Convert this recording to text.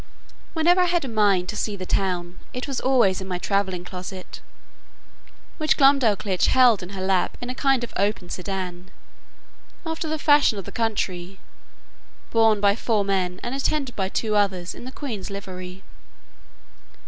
Whenever I had a mind to see the town, it was always in my travelling closet; which Glumdalclitch held in her lap in a kind of open sedan, after the fashion of the country, borne by four men, and attended by two others in the queen's livery.